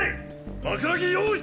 枕木用意。